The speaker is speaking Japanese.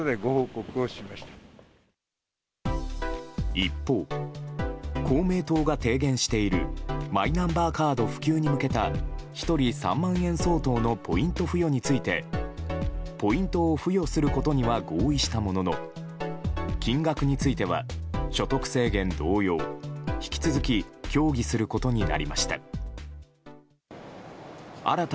一方、公明党が提言しているマイナンバーカード普及に向けた１人３万円相当のポイント付与についてポイントを付与することには合意したものの金額については所得制限同様引き続き協議することになりました。